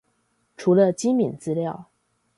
除了機敏資料